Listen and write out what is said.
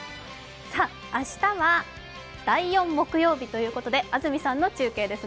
明日は第４木曜日ということで、安住さんの中継ですね。